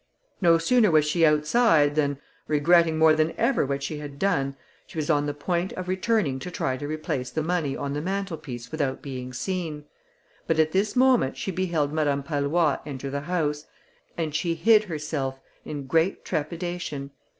No sooner was she outside, than, regretting more than ever what she had done, she was on the point of returning to try to replace the money on the mantelpiece without being seen; but at this moment she beheld Madame Pallois enter the house, and she hid herself, in great trepidation.